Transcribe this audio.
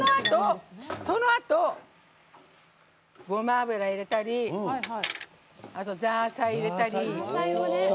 そのあとごま油入れたりあと、ザーサイ入れたり。